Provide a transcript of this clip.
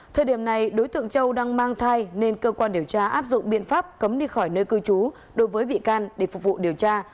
thời điểm này đối tượng châu đang mang thai nên cơ quan điều tra áp dụng biện pháp cấm đi khỏi nơi cư trú đối với bị can để phục vụ điều tra